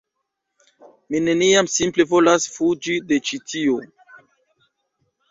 Mi neniam simple volas fuĝi de ĉi tio